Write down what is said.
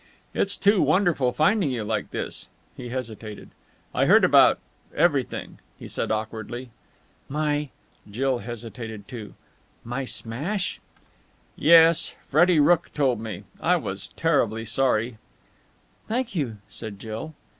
"It's too wonderful finding you like this!" He hesitated. "I heard about everything," he said awkwardly. "My " Jill hesitated too. "My smash?" "Yes. Freddie Rooke told me. I was terribly sorry." "Thank you," said Jill.